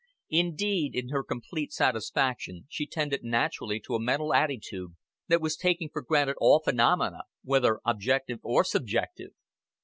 Indeed in her complete satisfaction she tended naturally to a mental attitude that was taking for granted all phenomena, whether objective or subjective.